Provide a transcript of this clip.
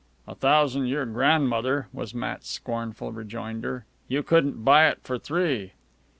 "A thousan' your grandmother," was Matt's scornful rejoinder. "You couldn't buy it for three."